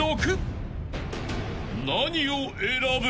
［何を選ぶ？］